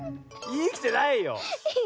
いきてないよ。